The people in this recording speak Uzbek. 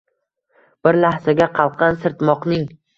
Bir lahzaga qalqqan sirtmoqning